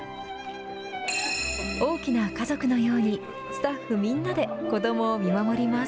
大きな家族のようにスタッフみんなで子どもを見守ります。